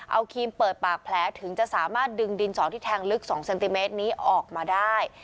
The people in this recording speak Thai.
เอาครีมเปิดปากแผลถึงจะสามารถดึงดินสอที่แทงลึก๒เซนติเมตรนี้ออกมาได้